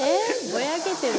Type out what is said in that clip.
ぼやけてる」